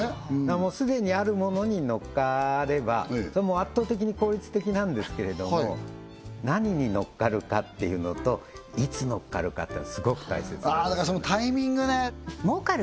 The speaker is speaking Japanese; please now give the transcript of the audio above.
もう既にあるものにのっかればそれもう圧倒的に効率的なんですけれども何にのっかるかっていうのといつのっかるかっていうのはすごく大切ですだからそのタイミングね儲かる！